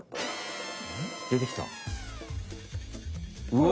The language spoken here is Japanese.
うわ！